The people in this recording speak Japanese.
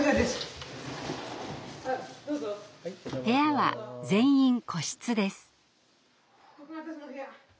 部屋は全員個室です。